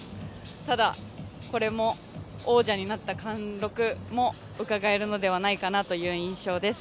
ただ、これも王者になった貫禄もうかがえるのではないかなという印象です。